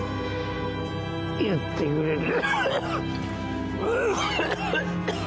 言ってくれる。